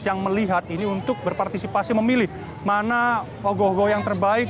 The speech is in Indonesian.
yang melihat ini untuk berpartisipasi memilih mana ogo ogo yang terbaik